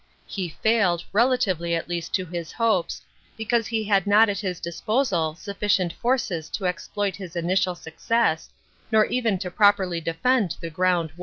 He failed, relatively at least to his hopes, because he had not at his disposal sufficient forces to exploit his initial success, nor even to properly defend the ground won.